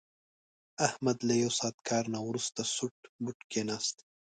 احمد له یو ساعت کار نه ورسته سوټ بوټ کېناست.